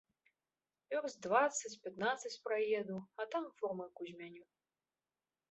Вёрст дваццаць, пятнаццаць праеду, а там фурманку змяню.